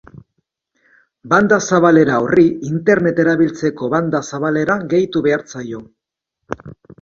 Banda zabalera horri internet erabiltzeko banda zabalera gehitu behar zaio.